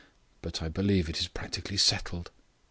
But I believe it is practically settled."